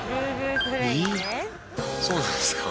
⁉そうなんですか？